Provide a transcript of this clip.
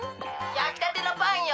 やきたてのパンよ。